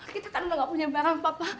kita kan udah nggak punya barang papa